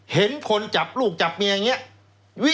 เห็นคนจับลูกจับเมียอย่างนี้